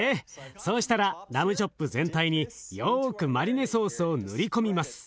そうしたらラムチョップ全体によくマリネソースを塗り込みます。